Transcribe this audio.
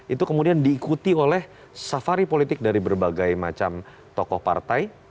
itu kemudian diikuti oleh safari politik dari berbagai macam tokoh partai